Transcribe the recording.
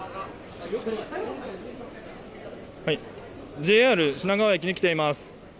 ＪＲ品川駅に来ています。